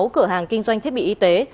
một mươi sáu cửa hàng kinh doanh thiết bị y tế